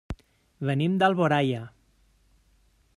Venim d'Alboraia.